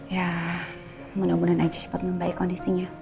ya mudah mudahan aja cepat membaik kondisinya